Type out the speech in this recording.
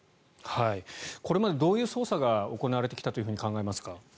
これまでどういう捜査が行われてきたと考えますか？